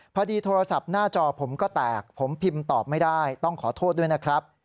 พอดีโทรศัพท์หน้าจอผมก็แตกผมพิมพ์ตอบไม่ได้ต้องขอโทษด้วยนะครับ